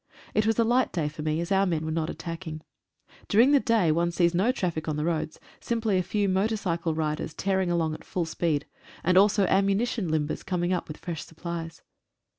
It was a light day for me, as our men were not attacking. During the day one sees no traffic on the roads, simply a few motor cycle riders tearing along at full speed, and also ammunition limbers coming up with fresh supplies.